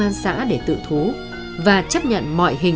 vẫn dưới mái nhà này